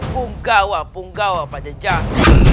punggawa punggawa pada jalan